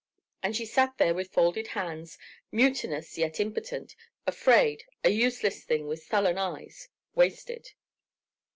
And she sat there with folded hands, mutinous yet impotent, afraid, a useless thing with sullen eyes ... wasted